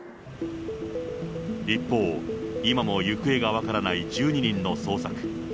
一方、今も行方が分からない１２人の捜索。